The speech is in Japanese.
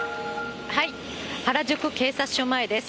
原宿警察署前です。